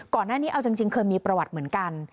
ก่อนหน้านี้เอาจริงเคยมีประวัติเหมือนกัน